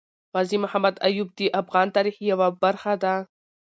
غازي محمد ايوب د افغان تاريخ يوه برخه ده